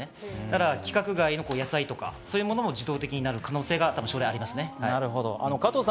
規格外の野菜とかそういうものを自動的になる可能性があります。